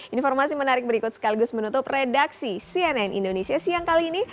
informasi menarik berikut sekaligus menutup redaksi cnn indonesia siang kali ini